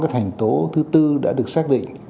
thành tố thứ bốn đã được xác định